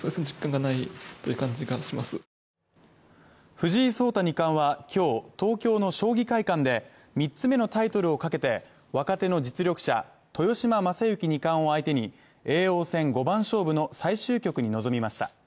藤井聡太二冠は今日、東京の将棋会館で３つ目のタイトルをかけて若手の実力者、豊島将之二冠を相手に叡王戦五番勝負の最終局に臨みました。